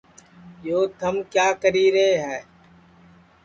یو تھم کِیا کری ہے